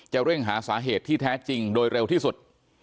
เร่งหาสาเหตุที่แท้จริงโดยเร็วที่สุด